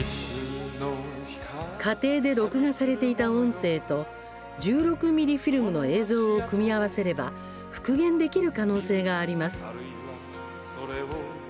家庭で録画されていた音声と１６ミリフィルムの映像を組み合わせれば復元できる可能性があります。